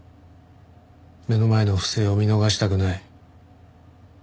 目の前の不正を見逃したくない。